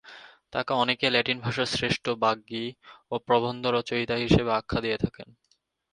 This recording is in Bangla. তাকে অনেকেই ল্যাটিন ভাষার শ্রেষ্ঠ বাগ্মী এবং প্রবন্ধ রচয়িতা হিসেবে আখ্যা দিয়ে থাকেন।